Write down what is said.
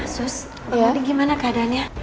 sus pak odin gimana keadaannya